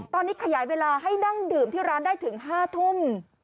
ตอนนี้ขยายเวลาให้นั่งดื่มที่ร้านได้ถึง๕ทุ่ม